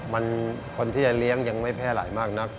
มันคนที่จะเลี้ยงยังไม่แพร่หลายมากนัก